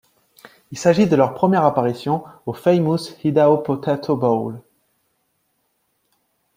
Il s'agit de leur première apparition au Famous Idaho Potato Bowl.